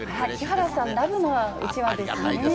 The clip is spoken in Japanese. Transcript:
木原さんラブのうちわですね。